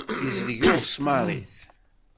Yezleg uɣesmar-is.